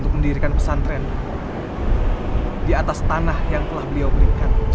terima kasihui selama berd chip